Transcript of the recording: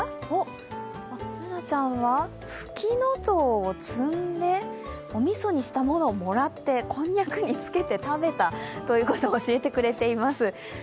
おっ、Ｂｏｏｎａちゃんはふきのとうを摘んでお味噌にしたものをもらってこんにゃくにつけて食べたということを教えてくれています。